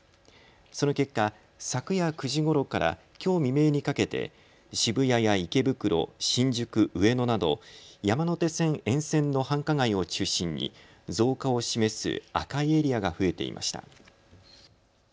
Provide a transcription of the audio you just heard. その結果、昨夜９時ごろからきょう未明にかけて渋谷や池袋、新宿、上野など山手線沿線の繁華街を中心に増加を示す赤いエリアが増えていました。